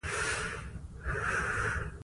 ښارونه د افغان کورنیو د دودونو مهم عنصر دی.